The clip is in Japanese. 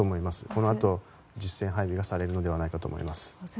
このあと実戦配備がされるのではないかと思います。